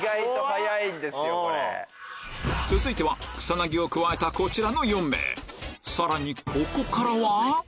続いては草薙を加えたこちらの４名さらにここからは？